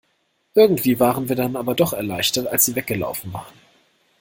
Irgendwie waren wir dann aber doch erleichtert, als sie weggelaufen waren.